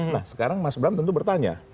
nah sekarang mas bram tentu bertanya